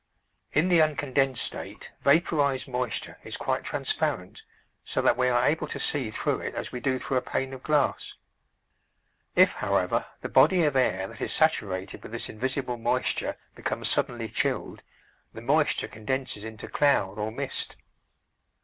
In the uncondensed state vaporized moisture is quite transparent, so that we are able to see through it as we do through a pane of glass. If, however, the body of air that is saturated with this invisible moisture becomes suddenly chilled, the moisture condenses into cloud or mist.